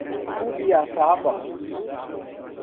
Rubiataba